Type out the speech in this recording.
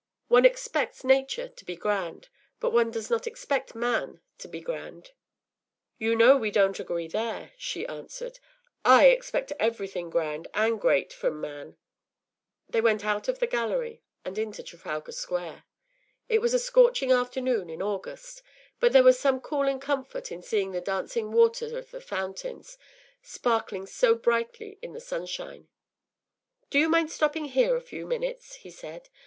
Once expects nature to be grand, but one does not expect man to be grand.” “You know we don’t agree there,” she answered. “_I_ expect everything grand and great from man.” They went out of the gallery, and into Trafalgar Square. It was a scorching afternoon in August, but there was some cooling comfort in seeing the dancing water of the fountains sparkling so brightly in the sunshine. “Do you mind stopping here a few minutes?” he said.